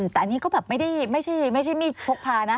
แต่อันนี้ก็แบบไม่ใช่มีดพกพานะ